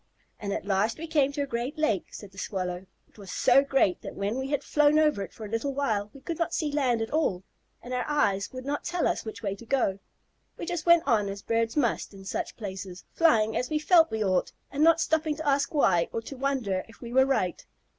"And at last we came to a great lake," said the Swallow. "It was so great that when we had flown over it for a little while we could not see land at all, and our eyes would not tell us which way to go. We just went on as birds must in such places, flying as we felt we ought, and not stopping to ask why or to wonder if we were right.